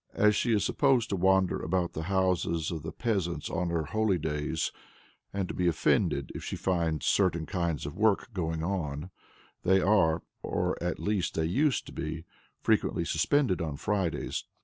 As she is supposed to wander about the houses of the peasants on her holy day, and to be offended if she finds certain kinds of work going on, they are (or at least they used to be) frequently suspended on Fridays.